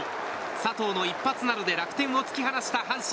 佐藤の一発などで楽天を突き放した阪神。